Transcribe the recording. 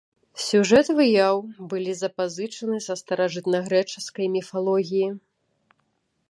Сюжэты выяў былі запазычаны са старажытнагрэчаскай міфалогіі.